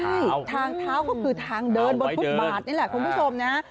ใช่ทางเท้าก็คือทางเดินบนฟุตบาทนี่แหละคุณผู้ชมนะฮะ